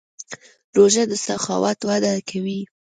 روژه د سخاوت وده کوي.